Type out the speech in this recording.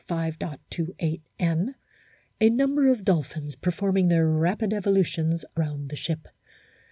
28 N. a number of dolphins performing their rapid evolutions round the ship.